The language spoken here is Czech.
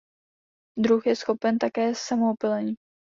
Druh je schopen také samoopylení.